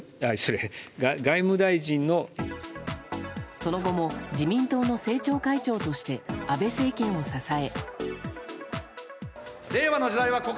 その後も自民党の政調会長として安部政権を支え。